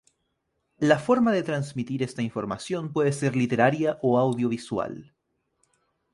La forma de transmitir esta información puede ser literaria o audiovisual.